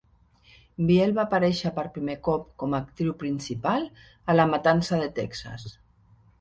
Biel va aparèixer per primer cop com a actriu principal a "La matança de Texas".